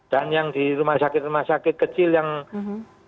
dan yang di rumah sakit rumah sakit kecil yang menjadi